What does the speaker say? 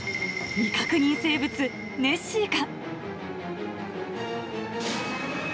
未確認生物、ネッシーか？